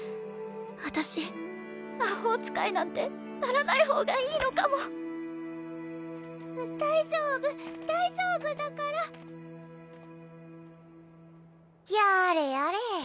私魔法使いなんてならない方がいいのかも大丈夫大丈夫だからやーれやれ